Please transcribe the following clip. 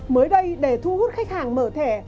mới đây để thu hút khách hàng mở thẻ